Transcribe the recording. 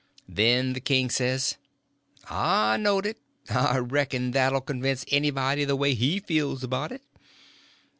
Then the king says, "I knowed it; I reckon that'll convince anybody the way he feels about it.